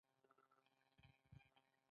کمیټه له پنځو تر اوو غړي لري.